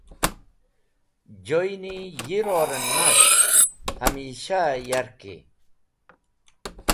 Joyni yi rorẽn nast hamis̃haẽ yarki.